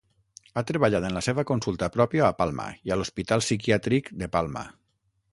Ha treballat en la seva consulta pròpia a Palma i a l'Hospital Psiquiàtric de Palma.